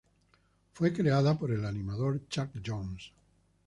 Fue creada por el animador Chuck Jones.